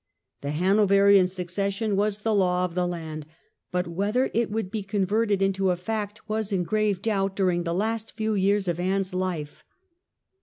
The Hanoverian succession was the law of the land, but whether it would be converted into a fact was in grave doubt during the last few years of Anne's life.